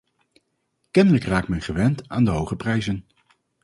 Kennelijk raakt men gewend aan de hoge prijzen.